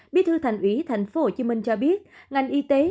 bí thư thành ủy tp hcm cho biết ngành y tế